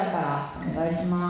お願いします！